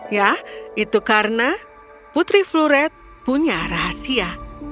ya itu karena putri fluret punya rahasia